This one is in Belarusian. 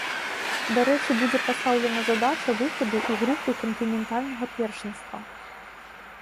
Дарэчы, будзе пастаўлена задача выхаду ў групу кантынентальнага першынства.